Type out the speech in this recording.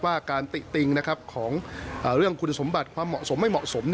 ว่าการติติงของเรื่องคุณสมบัติความเหมาะสมไม่เหมาะสม